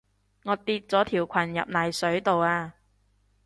我跌咗條裙入泥水度啊